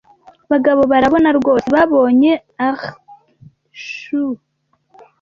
Bagabo barabona rwose babonye artichaut